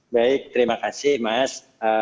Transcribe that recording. baik terima kasih mas